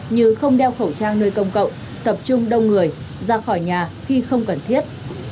như không đeo khẩu trang nơi công cộng tập trung đông người ra khỏi nhà khi không cần thiết